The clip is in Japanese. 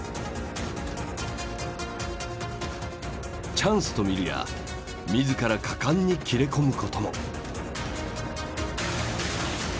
チャンスと見るや自ら果敢に切れ込むことも。